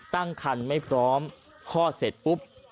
ตั้งคันไม่พร้อมคลอดเสร็จปุ๊บ